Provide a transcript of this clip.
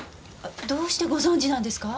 どうしてご存じなんですか？